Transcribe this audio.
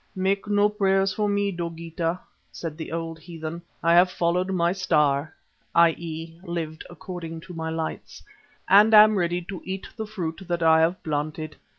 "Make no prayers for me, Dogeetah," said the old heathen; "I have followed my star," (i.e. lived according to my lights) "and am ready to eat the fruit that I have planted.